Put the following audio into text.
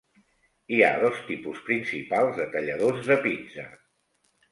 Hi ha dos tipus principals de talladors de pizza.